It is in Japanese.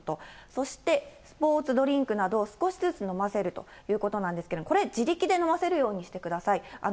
そしてスポーツドリンクなどを少しずつ飲ませるということなんですけれども、これ自力で飲ませるようにしてください。